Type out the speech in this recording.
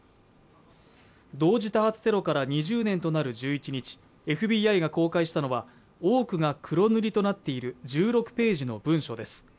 同時多発テロから２０年となる１１日ＦＢＩが公開したのは、多くが黒塗りとなっている１６ページの文書です。